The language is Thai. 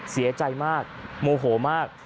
เสียใจมากโมโหมาก